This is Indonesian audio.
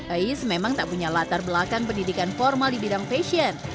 ais memang tak punya latar belakang pendidikan formal di bidang fashion